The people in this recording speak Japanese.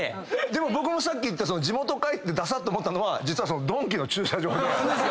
でも僕も地元帰ってダサッ！と思ったのは実はドンキの駐車場で。